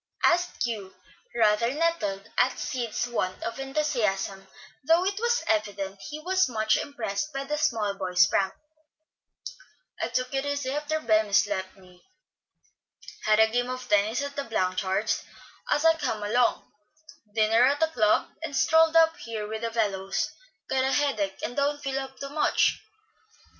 asked Hugh, rather nettled at Sid's want of enthusiasm, though it was evident he was much impressed by the "small boy's" prank. "I took it easy after Bemis left me. Had a game of tennis at the Blanchards' as I came along, dinner at the club, and strolled up here with the fellows. Got a headache, and don't feel up to much."